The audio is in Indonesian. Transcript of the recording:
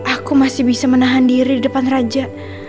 aku masih bisa menahan diri di depan raja